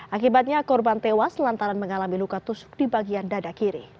akibatnya korban tewas lantaran mengalami luka tusuk di bagian dada kiri